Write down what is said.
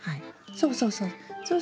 そうそうそう。